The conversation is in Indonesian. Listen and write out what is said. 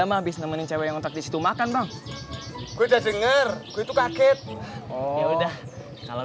lama habis nemenin cewek ngontrak di situ makan dong gue udah denger itu kaget oh ya udah kalau